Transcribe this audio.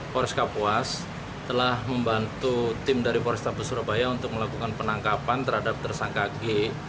polresta kapuas telah membantu tim dari polresta besurabaya untuk melakukan penangkapan terhadap tersangka g